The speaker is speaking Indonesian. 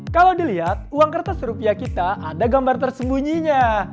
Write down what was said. kalau dilihat uang kertas rupiah kita ada gambar tersembunyinya